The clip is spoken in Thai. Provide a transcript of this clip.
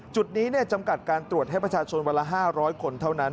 จุดนี้จำกัดการตรวจให้ประชาชนวันละ๕๐๐คนเท่านั้น